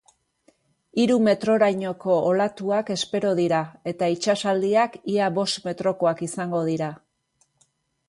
Hiru metrorainoko olatuak espero dira, eta itsasaldiak ia bost metrokoak izango dira.